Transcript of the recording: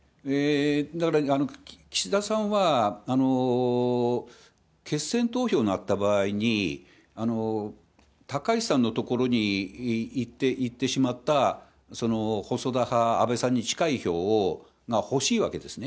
岸田さんは、決選投票になった場合に、高市さんのところにいってしまった細田派、安倍さんに近い票を欲しいわけですね。